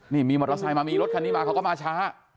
นี่มีมอเตอร์ไซค์มามีรถคันนี้มาเขาก็มาช้า